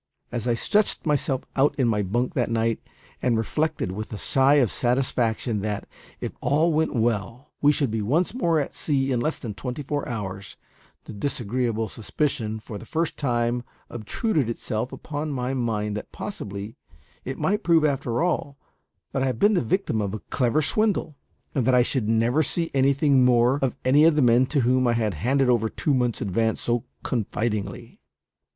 As I stretched myself out in my bunk that night, and reflected with a sigh of satisfaction that, if all went well, we should be once more at sea in less than twenty four hours, the disagreeable suspicion for the first time obtruded itself upon my mind that possibly it might prove after all that I had been the victim of a clever swindle, and that I should never see anything more of any of the men to whom I had handed over two months' advance so confidingly.